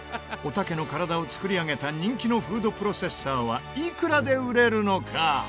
おたけの体を作り上げた人気のフードプロセッサーはいくらで売れるのか？